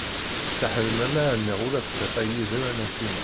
Taḥrem ma rniɣ-tt ula d dqiqa yid-m a Nasima.